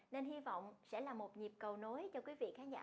nên hy vọng sẽ là một nhịp cầu nối cho quý vị khán giả